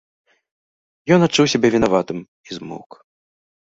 Ён адчуў сябе вінаватым і змоўк.